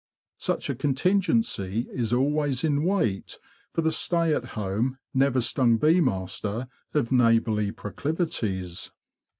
Such a contingency is always in wait for the stay THE UNBUSY BEE 181 at home, never stung bee master of neighbourly Proclivities.